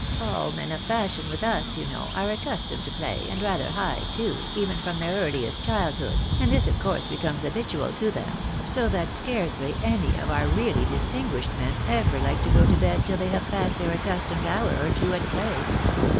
All men of fashion with us, you know, are accus tomed to play, and rather high, too, even from their earliest childhood, and this of course becomes habitual to them, so that scarcely any of our really distinguished men ever like to go to bed till they have passed their accustomed hour or two at play.